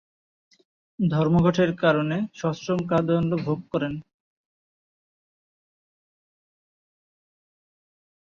ধর্মঘটের কারণে সশ্রম কারাদণ্ড ভোগ করেন।